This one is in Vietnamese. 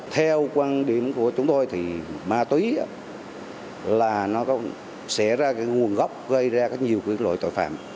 theo quan điểm của chúng tôi thì ma túy là nó sẽ ra cái nguồn gốc gây ra rất nhiều loại tội phạm